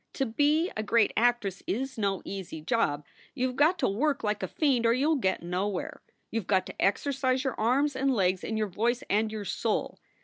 " To be a great actress is no easy job. You ve got to work like a fiend or you ll get nowhere. You ve got to exercise your arms and legs and your voice and your soul.